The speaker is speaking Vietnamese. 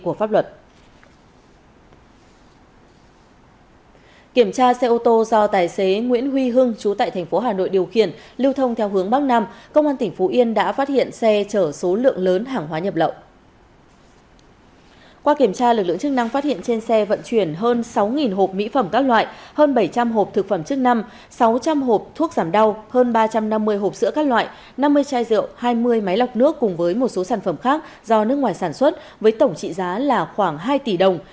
qua kiểm tra lực lượng chức năng phát hiện trên xe vận chuyển hơn sáu hộp mỹ phẩm các loại hơn bảy trăm linh hộp thực phẩm chức năm sáu trăm linh hộp thuốc giảm đau hơn ba trăm năm mươi hộp sữa các loại năm mươi chai rượu hai mươi máy lọc nước cùng với một số sản phẩm khác do nước ngoài sản xuất với tổng trị giá là khoảng hai tỷ đồng